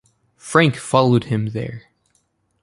Frank followed him there.